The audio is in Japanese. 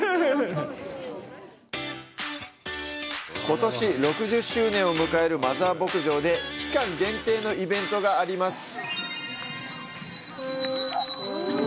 ことし６０周年を迎えるマザー牧場で期間限定のイベントがあります。